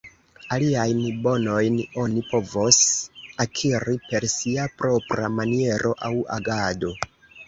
Aliajn bonojn oni povos akiri per sia propra maniero aŭ agado.